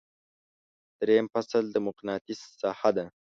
دریم فصل د مقناطیس ساحه ده.